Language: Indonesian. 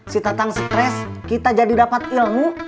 sita tan stress kita jadi dapat ilmu